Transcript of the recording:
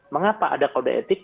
mengapa ada kode etik